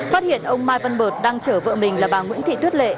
phát hiện ông mai văn bợt đang chở vợ mình là bà nguyễn thị tuyết lệ